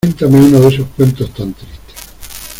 ¡Cuéntame uno de esos cuentos tan tristes!